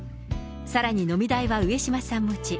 さらに飲み代は上島さん持ち。